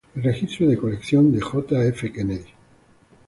El registro de colección de John F. Kennedy